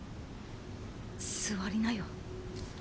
座りなよ。